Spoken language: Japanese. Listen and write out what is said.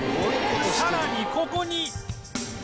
さらにここに